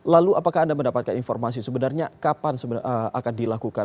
lalu apakah anda mendapatkan informasi sebenarnya kapan akan dilakukan